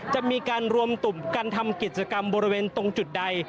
จะมีการรวมตุ่มการทำกิจกรรมบริเวณตรงจุดใด